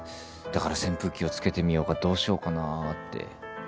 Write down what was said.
だから扇風機をつけてみようかどうしようかなって。